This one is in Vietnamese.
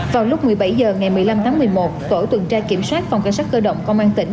vào lúc một mươi bảy h ngày một mươi năm tháng một mươi một tổ tuần tra kiểm soát phòng cảnh sát cơ động công an tỉnh